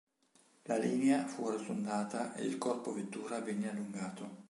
La linea fu arrotondata ed il corpo vettura venne allungato.